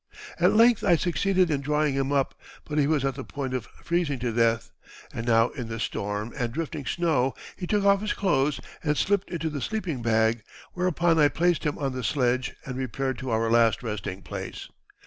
At length I succeeded in drawing him up, but he was at the point of freezing to death, and now in the storm and drifting snow he took off his clothes and slipped into the sleeping bag, whereupon I placed him on the sledge and repaired to our last resting place.